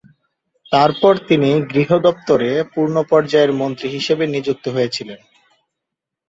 তারপর তিনি গৃহ দপ্তরের পূর্ণ পর্যায়ের মন্ত্রী হিসাবে নিযুক্ত হয়েছিলেন।